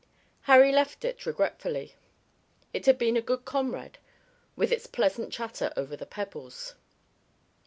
Harry left it regretfully. It had been a good comrade with its pleasant chatter over the pebbles.